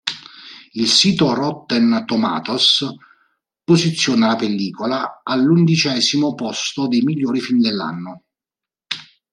Il sito Rotten Tomatoes posiziona la pellicola al'undicesimo posto dei migliori film dell'anno.